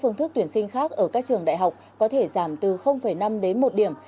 phương thức tuyển sinh khác ở các trường đại học có thể giảm từ năm đến một điểm